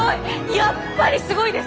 やっぱりすごいです！